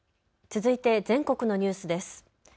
続いて全国のニュースです。